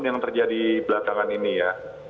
yang terjadi belakangan ini ya